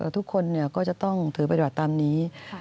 ทุกคนก็จะต้องถือปฏิบัติตามนี้